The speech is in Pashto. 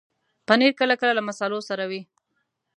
پنېر کله کله له مصالحو سره وي.